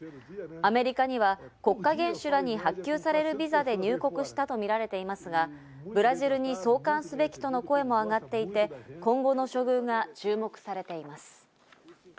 アメリカには国家元首らに発給されるビザで入国したとみられていますが、ブラジルに送還すべきとの声も上がっていて、今後の処遇が注目されています。